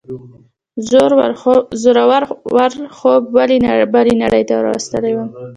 زوره ور خوب بلې نړۍ ته وروستلی وم.